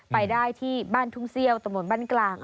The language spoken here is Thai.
ไปได้ที่บ้านทุ่งเซี่ยวตะมนต์บ้านกลาง